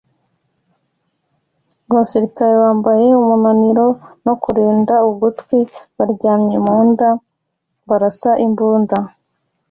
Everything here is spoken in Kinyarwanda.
abasirikari bambaye umunaniro no kurinda ugutwi baryamye mu nda barasa imbunda